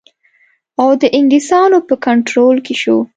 اَوَد د انګلیسیانو په کنټرول کې شو.